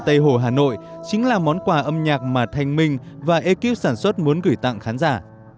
tây hồ hà nội chính là món quà âm nhạc mà thanh minh và ekip sản xuất muốn gửi tặng khán giả